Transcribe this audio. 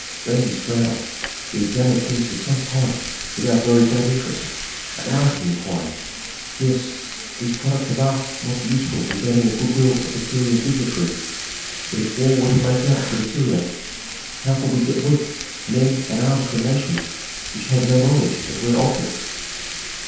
Rameses frowned. He examined things for some time without very great interest; at last he inquired, "Yes, these products of art might be useful in gaining the good will of Assyrian dignitaries; but if war were to break out with Assyria how could we get wheat, men, and arms from nations which have no knowledge of rare objects?"